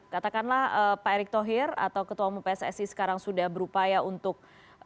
katakanlah pak erick thohir atau ketua umum pssi sekarang sudah berupaya untuk